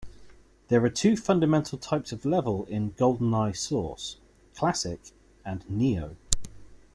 There are two fundamental types of level in "GoldenEye: Source"; "Classic" and "Neo".